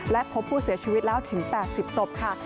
และพบผู้เสียชีวิตแล้วถึง๘๐ศพค่ะ